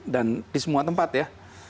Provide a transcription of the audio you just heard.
dan di semua tempat ya